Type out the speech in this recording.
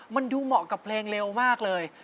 มันดูเหมาะกับเพลงเร็วมากเลย